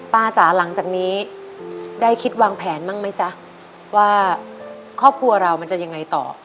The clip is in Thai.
จ๋าหลังจากนี้ได้คิดวางแผนบ้างไหมจ๊ะว่าครอบครัวเรามันจะยังไงต่อ